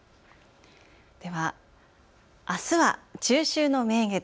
では、あすは中秋の名月。